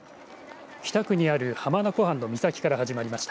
北区にある浜名湖畔の岬から始まりました。